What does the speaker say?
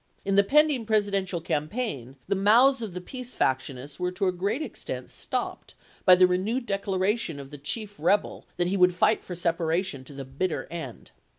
In the pending Presi dential campaign the mouths of the peace faction ists were to a great extent stopped by the renewed declaration of the chief rebel that he would fight for separation to the bitter end.